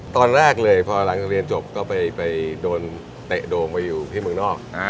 ตอนแรกเลยพอหลังจากเรียนจบก็ไปโดนเตะโด่งมาอยู่ที่เมืองนอก